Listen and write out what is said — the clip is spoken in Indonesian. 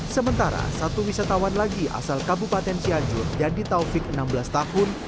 sementara satu wisatawan lagi asal kabupaten siadjur yang ditaufik enam belas tahun